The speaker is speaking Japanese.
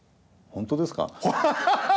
本当ですよ。